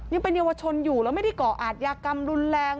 ยังเป็นเยาวชนอยู่แล้วไม่ได้ก่ออาทยากรรมรุนแรง